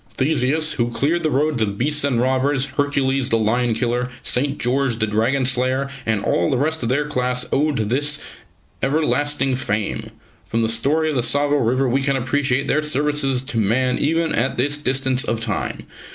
Theseus, who cleared the roads of beasts and robbers; Hercules, the lion killer; St. George, the dragon slayer, and all the rest of their class owed to this their everlasting fame. From the story of the Tsavo River we can appreciate their services to man even at this distance of time.